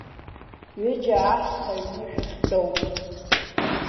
Ҩыџьа аҳәса аҩны шәахьтәоу!